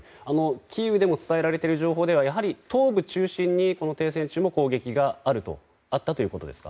キーウでも伝えられている情報では東部中心に停戦中も攻撃があったということですか。